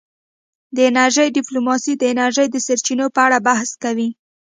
د انرژۍ ډیپلوماسي د انرژۍ د سرچینو په اړه بحث کوي